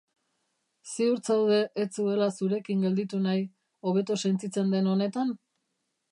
Ziur zaude ez zuela zurekin gelditu nahi, hobeto sentitzen den honetan?